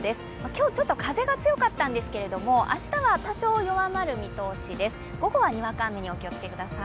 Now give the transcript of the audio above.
今日ちょっと風が強かったんですけれども、明日は多少弱まる見通しです。